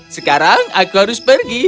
sekarang aku harus pergi